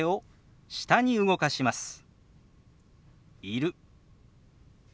「いる」。